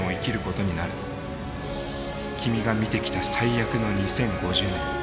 君が見てきた最悪の２０５０年。